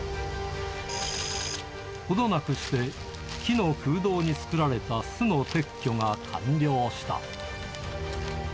ほどなくして木の空洞に作られた巣の撤去が完了した。